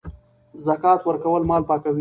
زکات ورکول مال پاکوي.